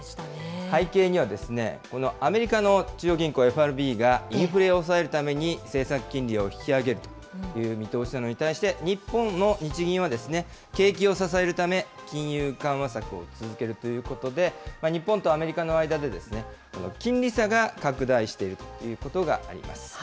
背景には、このアメリカの中央銀行・ＦＲＢが、インフレを抑えるために、政策金利を引き上げるという見通しなのに対して、日本の日銀は、景気を支えるため、金融緩和策を続けるということで、日本とアメリカの間で、金利差が拡大しているということがあります。